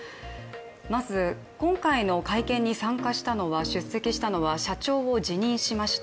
まず今回の会見に出席したのは社長を辞任しました